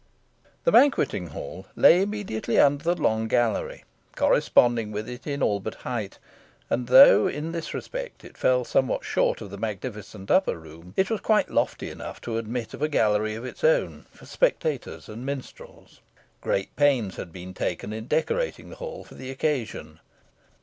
The banqueting hall lay immediately under the long gallery, corresponding with it in all but height; and though in this respect it fell somewhat short of the magnificent upper room, it was quite lofty enough to admit of a gallery of its own for spectators and minstrels. Great pains had been taken in decorating the hall for the occasion.